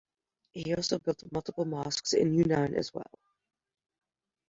He also built multiple mosques in Yunnan as well.